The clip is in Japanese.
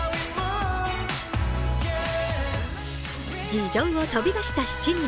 議場を飛び出した７人。